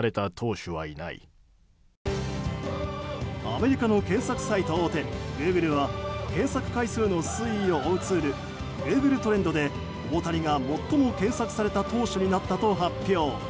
アメリカの検索サイト大手グーグルは検索回数の推移を追うツールグーグルトレンドで大谷が最も検索された投手になったと発表。